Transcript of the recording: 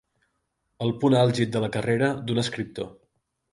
El punt àlgid de la carrera d'un escriptor.